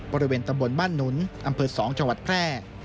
บริเวณตำบลบ้านหนุนอำเภอ๒จังหวัดแพร่